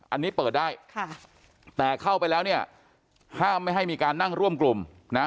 อันนี้เปิดได้ค่ะแต่เข้าไปแล้วเนี่ยห้ามไม่ให้มีการนั่งร่วมกลุ่มนะ